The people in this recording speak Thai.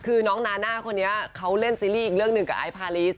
คือน้องนาน่าคนนี้เขาเล่นซีรีส์อีกเรื่องหนึ่งกับไอซ์พาริส